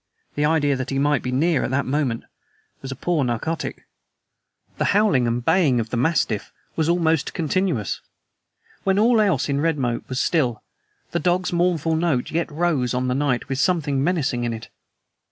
The idea that he might be near at that moment was a poor narcotic. The howling and baying of the mastiff was almost continuous. When all else in Redmoat was still the dog's mournful note yet rose on the night with something menacing in it.